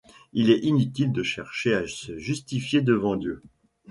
Il est inutile de chercher à se justifier devant Dieu.